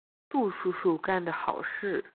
杜叔叔干的好事。